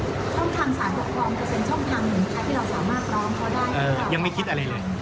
ช่องครัง๓๖ความเป็นเป็นผลของผลตัวที่เราสามารถคร้อม